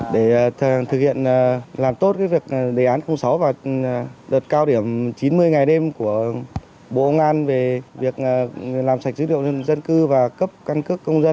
để thực hiện làm tốt việc đề án sáu và đợt cao điểm chín mươi ngày đêm của bộ công an về việc làm sạch dữ liệu dân cư và cấp căn cước công dân